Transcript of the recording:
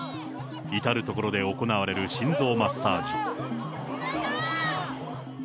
至る所で行われる心臓マッサージ。